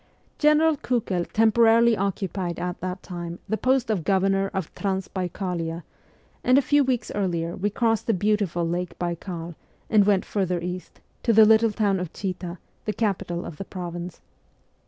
General Kiikel temporarily occupied at that time the post of Governor of Transbaikalia, and a few weeks later we crossed the beautiful Lake Baikal and went further east, to the little town of Chita, the capital of the province.